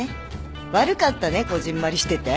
悪かったねこぢんまりしてて。